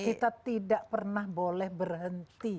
kita tidak pernah boleh berhenti